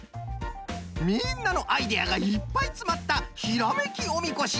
みんなのアイデアがいっぱいつまったひらめきおみこし。